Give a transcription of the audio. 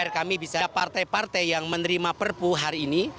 kami bisa partai partai yang menerima perpu hari ini